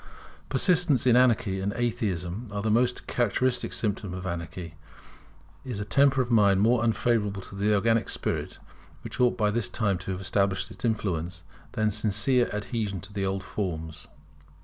Persistence in anarchy, and Atheism is the most characteristic symptom of anarchy, is a temper of mind more unfavourable to the organic spirit, which ought by this time to have established its influence, than sincere adhesion to the old forms.